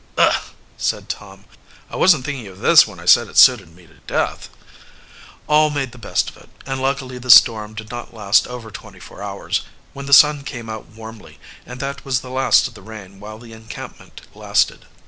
"Ugh!" said Tom. "I wasn't thinking of this when I said it suited me to death." All made the best of it, and luckily the storm did not last over twenty four hours, when the sun came out warmly, and that was the last of the rain while the encampment lasted.